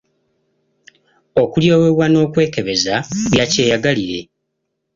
Okulyowebwa n'okwekebeza bya kyeyagalire.